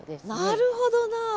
なるほどな。